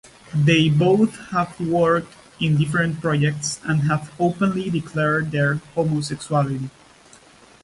They both have worked in different projects and have openly declared their homosexuality.